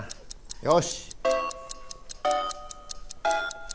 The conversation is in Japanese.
よし！